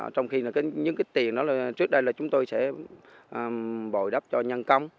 trong khi những tiền trước đây chúng tôi sẽ bồi đắp cho nhân công